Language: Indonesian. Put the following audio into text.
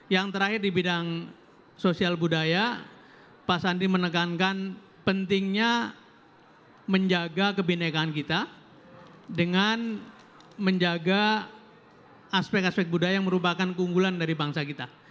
yang terakhir di bidang sosial budaya pak sandi menekankan pentingnya menjaga kebenekaan kita dengan menjaga aspek aspek budaya yang merupakan keunggulan dari bangsa kita